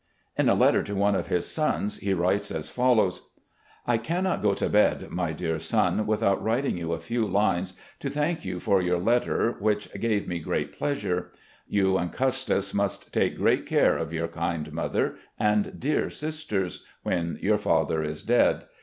In a letter to one of his sons he writes as follows: " I cannot go to bed, niy dear son, without writing you a few lines, to thank you for your letter, which gave me great pleasure. ... You and Custis must take great care of your kind mother and dear sisters when your father is dead.